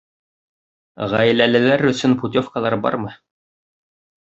Ғаиләлеләр өсөн путевкалар бармы?